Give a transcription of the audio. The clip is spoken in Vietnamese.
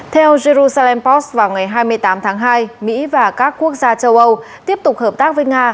theo jerusalem post vào ngày hai mươi tám tháng hai mỹ và các quốc gia châu âu tiếp tục hợp tác với nga